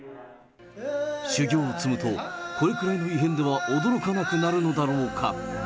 修行を積むと、これくらいの異変では驚かなくなるのだろうか。